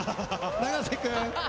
永瀬君？